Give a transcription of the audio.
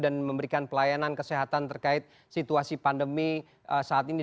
dan memberikan pelayanan kesehatan terkait situasi pandemi saat ini